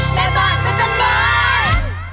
แม่บ้านพระจันทร์บ้าน